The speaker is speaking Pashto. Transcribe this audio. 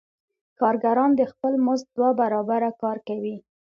کارګران د خپل مزد دوه برابره کار کوي